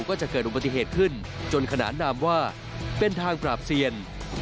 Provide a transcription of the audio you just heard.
ก็จะเกิดอุบัติเหตุขึ้นจนขนานนามว่าเป็นทางปราบเซียน